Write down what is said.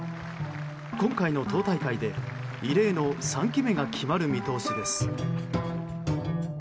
今回の党大会で、異例の３期目が決まる見通しです。